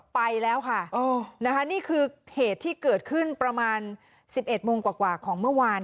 ไปแล้วค่ะอ๋อนะคะนี่คือเหตุที่เกิดขึ้นประมาณสิบเอ็ดมุงกว่ากว่าของเมื่อวาน